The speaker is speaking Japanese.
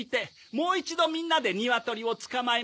もう一度みんなでニワトリを捕まえましょう。